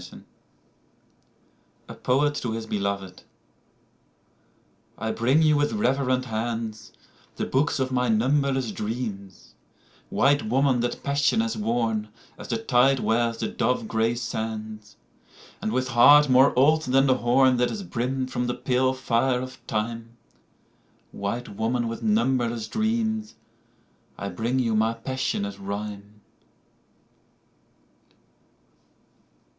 8 A POET TO HIS BELOVED I BRING you with reverent hands The books of my numberless dreams ; White woman that passion has worn As the tide wears the dove gray sands, And with heart more old than the horn That is brimmed from the pale fire of time : White woman with numberless dreams I bring you my passionate rhyme.